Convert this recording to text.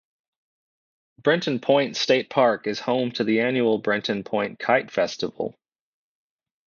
Brenton Point State Park is home to the annual Brenton Point Kite Festival.